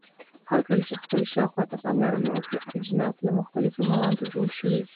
هرکله چې خپل شاوخوا ته پاملرنه وکړئ اجناس له مختلفو موادو جوړ شوي.